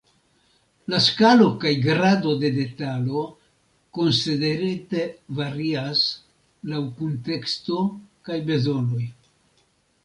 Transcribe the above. La skalo kaj grado de detalo konsiderita varias laŭ kunteksto kaj bezonoj.